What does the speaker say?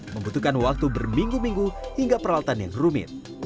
membutuhkan waktu berminggu minggu hingga peralatan yang rumit